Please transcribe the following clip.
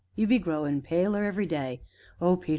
You be growing paler everyday. Oh, Peter!